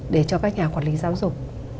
để cho các nhà quản lý giáo dục